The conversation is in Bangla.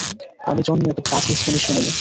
আমি জন্মে এত বাজে স্প্যানিশ শুনিনি।